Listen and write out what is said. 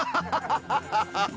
ハハハハ！